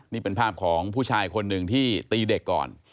นี่เป็นภาพของผู้ชายคนหนึ่งที่ตีเด็กก่อน